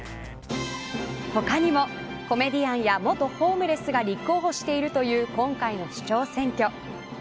他にもコメディアンや元ホームレスが立候補しているという今回の市長選挙。